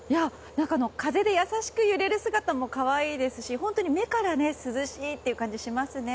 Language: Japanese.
風で優しく揺れる姿も可愛いですし、目から涼しいという感じがしますね。